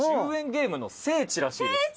ゲームの聖地らしいです。